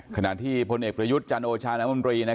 ขณะที่พลเอกประยุทธ์จันโอชาน้ำมนตรี